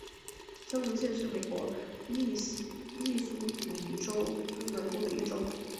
香农县是美国密苏里州东南部的一个县。